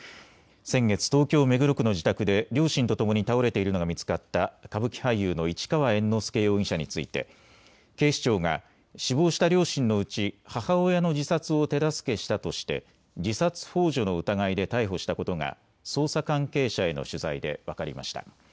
先月、東京目黒区の自宅で両親とともに倒れているのが見つかった歌舞伎俳優の市川猿之助容疑者について警視庁が死亡した両親のうち母親の自殺を手助けしたとして自殺ほう助の疑いで逮捕したことが捜査関係者への取材で分かりました。